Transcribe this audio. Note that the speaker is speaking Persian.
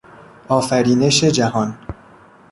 آفرینش جهان